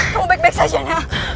kamu baik baik saja nak